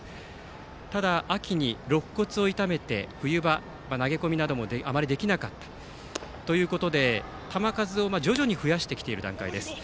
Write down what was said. ただ、秋にろっ骨を痛めて冬場は投げ込みなどもあまりできなかったということで球数を徐々に増やしてきている段階です。